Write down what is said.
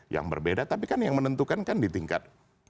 yang berbeda tapi kan yang menentukan kan di tingkat